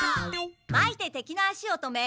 まいて敵の足を止め